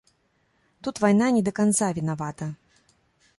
Тут вайна не да канца вінавата.